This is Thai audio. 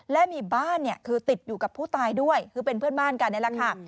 และมีบ้านเนี่ยคือติดอยู่กับผู้ตายด้วยคือเป็นเพื่อนบ้านกันนี่แหละค่ะ